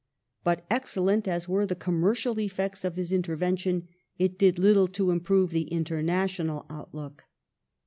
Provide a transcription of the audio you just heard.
^ But excellent as were the com mercial effects of his intervention, it did little to improve the international outlook.